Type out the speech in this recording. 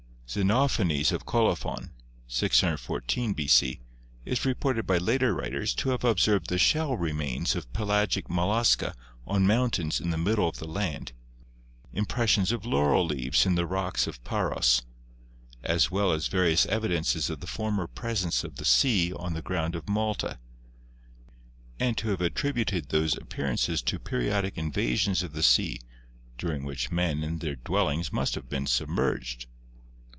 Xenophanes of Colophon (614 b.c.) is reported by later writers to have observed the shell remains of pelagic mollusca on mountains in the middle of the land, impres sions of laurel leaves in the rocks of Paros, as well as vari ous evidences of the former presence of the sea on the ground of Malta, and to have attributed those appearances to periodic invasions of the sea during which men and their dwellings must have been submerged.